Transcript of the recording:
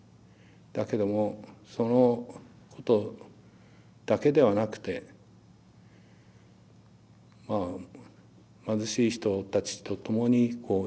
だけどもそのことだけではなくて貧しい人たちとともにこう生きてる。